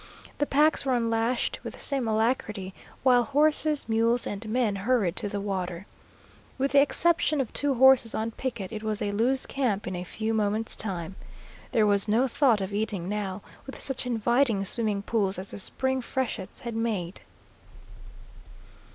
The packs were unlashed with the same alacrity, while horses, mules, and men hurried to the water. With the exception of two horses on picket, it was a loose camp in a few moments' time. There was no thought of eating now, with such inviting swimming pools as the spring freshets had made.